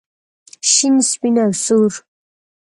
شین سپین او سور.